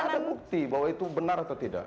ada bukti bahwa itu benar atau tidak